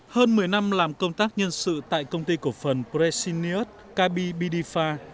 hơn một mươi năm làm công tác nhân sự tại công ty cổ phần brexius kb bidifa